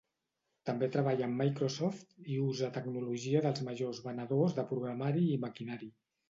També treballa amb Microsoft i usa tecnologia dels majors venedors de programari i maquinari.